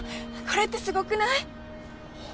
これってすごくない！？